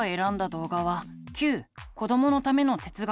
動画は「Ｑこどものための哲学」。